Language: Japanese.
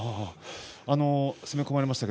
攻め込まれました。